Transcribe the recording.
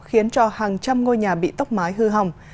khiến cho hàng trăm ngôi nhà bị tốc mái hư hỏng